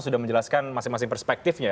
sudah menjelaskan masing masing perspektifnya